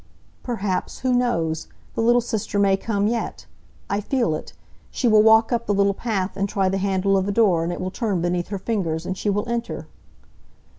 "Perhaps who knows? the little sister may come yet. I feel it. She will walk up the little path, and try the handle of the door, and it will turn beneath her fingers, and she will enter."